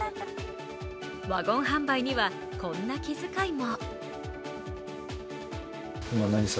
ワゴン販売には、こんな気遣いも。